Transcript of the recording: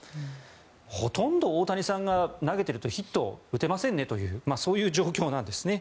ほとんど大谷さんが投げているとヒット打てませんねというそういう状況なんですね。